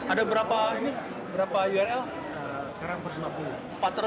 ada berapa ini berapa url